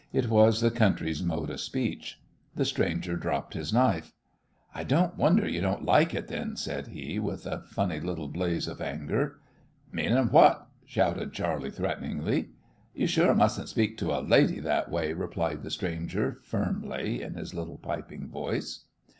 It was the country's mode of speech. The stranger dropped his knife. "I don't wonder you don't like it, then," said he, with a funny little blaze of anger. "Meanin' what?" shouted Charley, threateningly. "You sure mustn't speak to a lady that way," replied the stranger, firmly, in his little piping voice.